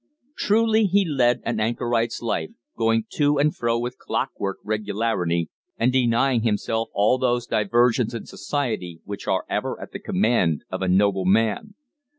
Truly he led an anchorite's life, going to and fro with clockwork regularity, and denying himself all those diversions in Society which are ever at the command of a notable man.